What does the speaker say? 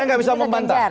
saya gak bisa membantah